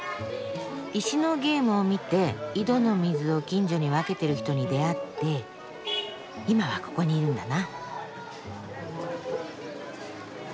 石のゲームを見て井戸の水を近所に分けてる人に出会って今はここにいるんだな。